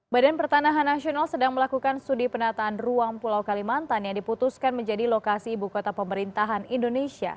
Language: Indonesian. badan pertanahan nasional sedang melakukan studi penataan ruang pulau kalimantan yang diputuskan menjadi lokasi ibu kota pemerintahan indonesia